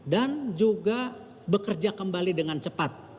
dan juga bekerja kembali dengan cepat